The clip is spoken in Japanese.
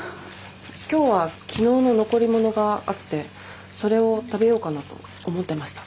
今日は昨日の残り物があってそれを食べようかなと思ってました。